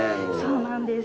そうなんです。